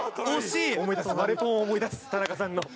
『われポン』を思い出す田中さんの。